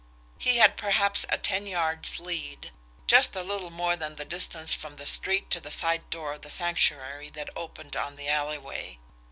He had perhaps a ten yards' lead, just a little more than the distance from the street to the side door of the Sanctuary that opened on the alleyway.